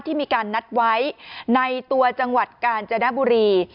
ที่มีการนัดไว้ในตัวจังหวัดกาญจนบุรี